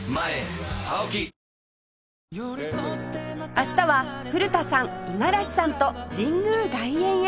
明日は古田さん五十嵐さんと神宮外苑へ